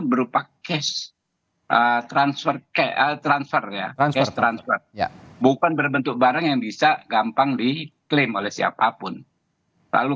transfer ya transfer transfer ya bukan berbentuk barang yang bisa gampang diklaim oleh siapapun lalu